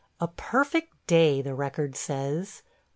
... "A perfect day," the record says.